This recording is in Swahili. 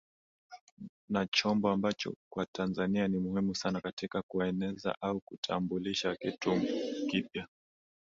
Na chombo ambacho kwa Tanzania ni muhimu sana katika kueneza au kutambulisha kitu kipya